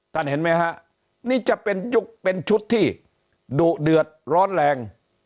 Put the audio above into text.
เห็นไหมฮะนี่จะเป็นยุคเป็นชุดที่ดุเดือดร้อนแรง